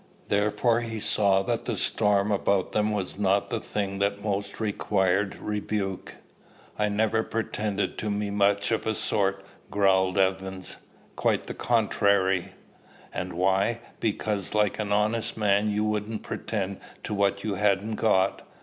Therefore he saw that the storm about them was not the thing that most required rebuke." "I never pretended to much o' the sort," growled Evans. "Quite the contrairy." "And why? Because, like an honest man, you wouldn't pretend to what you hadn't got.